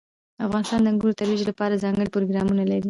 افغانستان د انګورو د ترویج لپاره ځانګړي پروګرامونه لري.